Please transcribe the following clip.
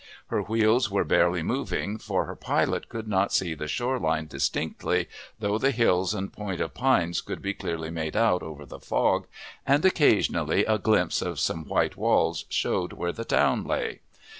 Her wheels were barely moving, for her pilot could not see the shore line distinctly, though the hills and Point of Pines could be clearly made out over the fog, and occasionally a glimpse of some white walls showed where the town lay.